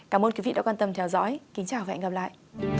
cảm ơn quý vị đã quan tâm theo dõi kính chào và hẹn gặp lại